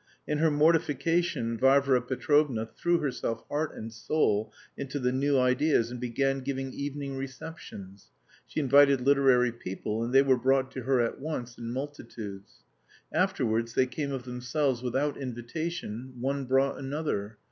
In her mortification Varvara Petrovna threw herself heart and soul into the "new ideas," and began giving evening receptions. She invited literary people, and they were brought to her at once in multitudes. Afterwards they came of themselves without invitation, one brought another.